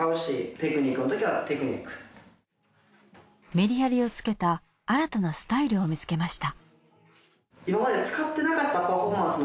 メリハリをつけた新たなスタイルを見つけました。